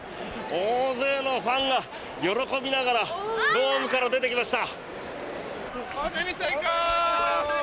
大勢のファンが喜びながらドームから出てきました。